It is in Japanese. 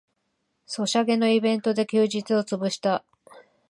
ソシャゲのイベントで休日をつぶした